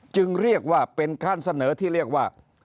จึงเรียกว่าเป็นขั้นเสนอที่เรียกว่า